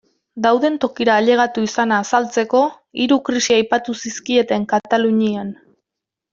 Dauden tokira ailegatu izana azaltzeko, hiru krisi aipatu zizkieten Katalunian.